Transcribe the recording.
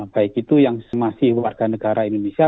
baik itu yang masih warga negara indonesia